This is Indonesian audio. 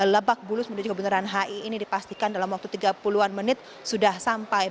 lebak bulus menuju ke bundaran hi ini dipastikan dalam waktu tiga puluh an menit sudah sampai